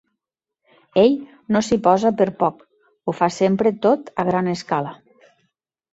Ell no s'hi posa per poc: ho fa sempre tot a gran escala.